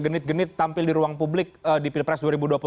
genit genit tampil di ruang publik di pilpres dua ribu dua puluh empat